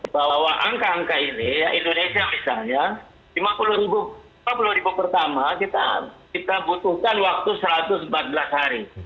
bahwa angka angka ini indonesia misalnya lima puluh ribu pertama kita butuhkan waktu satu ratus empat belas hari